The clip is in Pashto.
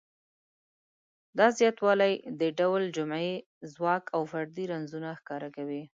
دا زیاتوالی د ډول جمعي ځواک او فردي رنځونه ښکاره کوي.